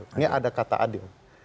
ini ada kata adil